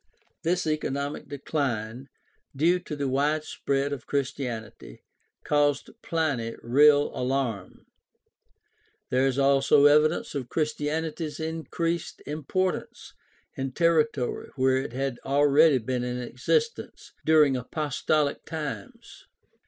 This economic decline, due to the wide spread of Christianity, caused Pliny real alarm. There is also evidence of Christianity's increased impor tance in territory where it had already been in existence during apostohc times.